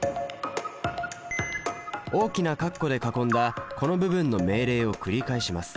大きな括弧で囲んだこの部分の命令を繰り返します。